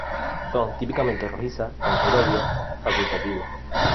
Son típicamente rojizas, y anaerobios facultativos.